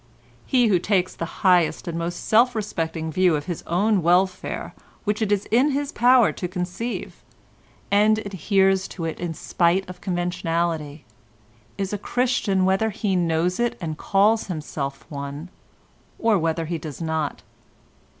He who takes the highest and most self respecting view of his own welfare which it is in his power to conceive, and adheres to it in spite of conventionality, is a Christian whether he knows it and calls himself one, or whether he does not.